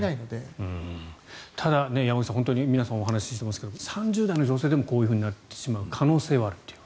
ただ、山口さん皆さんお話していますが３０代の女性でもこういうふうになってしまう可能性があるという。